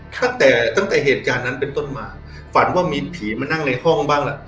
ตั้งแต่ตั้งแต่เหตุการณ์นั้นเป็นต้นมาฝันว่ามีผีมานั่งในห้องบ้างล่ะ